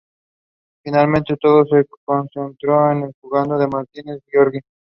Finalmente, todo se concentró en el juzgado de Martínez de Giorgi.